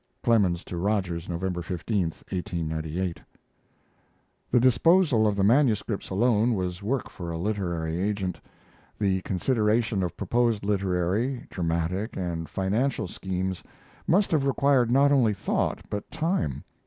(Clemens to Rogers, November 15, 1898.)] The disposal of the manuscripts alone was work for a literary agent. The consideration of proposed literary, dramatic, and financial schemes must have required not only thought, but time.